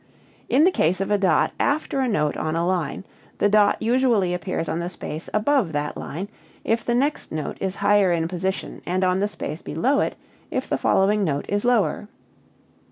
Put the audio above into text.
In the case of a dot after a note on a line, the dot usually appears on the space above that line if the next note is higher in position and on the space below it if the following note is lower.